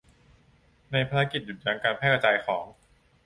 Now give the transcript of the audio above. ในภารกิจหยุดยั้งการแพร่กระจายของ